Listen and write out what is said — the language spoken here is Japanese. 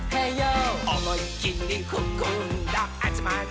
「おもいきりふくんだあつまれ」